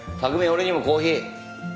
俺にもコーヒー。